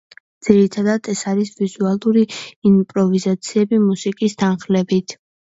ძირითადად ეს არის ვიზუალური იმპროვიზაციები მუსიკის თანხლებით.